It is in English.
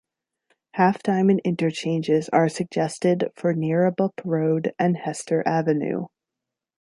Half-diamond interchanges are suggested for Neerabup Road and Hester Avenue.